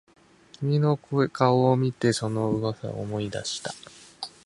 君の顔を見てその噂を思い出した